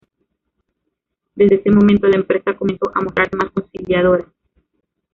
Desde ese momento, la empresa comenzó a mostrarse más conciliadora.